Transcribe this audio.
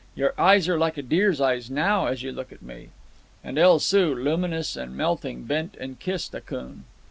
Your eyes are like a deer's eyes now as you look at me." And El Soo, luminous and melting, bent and kissed Akoon.